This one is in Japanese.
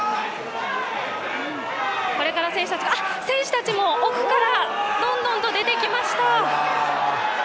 これから選手たちが選手たち、奥からどんどんと出てきました。